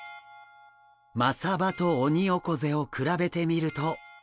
マサバとオニオコゼを比べてみると。